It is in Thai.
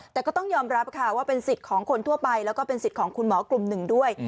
แต่ก็ต้องยอมรับค่ะว่าเป็นสิทธิ์ของคนทั่วไปแล้วก็เป็นสิทธิ์ของคุณหมอกลุ่มหนึ่งด้วย